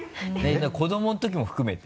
子どもの時も含めて？